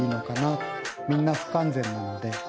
みんな不完全なので。